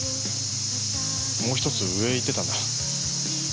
もう１つ上へ行ってたんだ。